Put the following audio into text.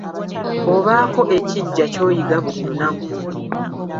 Obaako ekiggya ky'oyiga buli lunaku.